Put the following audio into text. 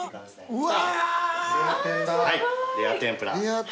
うわ。